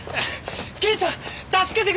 刑事さん助けてください！